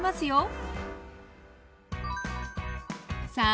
さあ